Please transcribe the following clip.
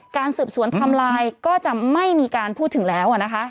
การสืบสวนทำลายก็จะไม่มีการพูดถึงแล้วอะนะคะ